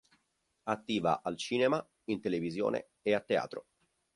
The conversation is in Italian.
Attiva al cinema, in televisione e a teatro.